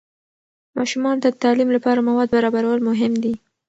ماشومان ته د تعلیم لپاره مواد برابرول مهم دي.